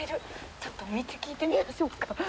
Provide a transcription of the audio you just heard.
ちょっと道聞いてみましょうか。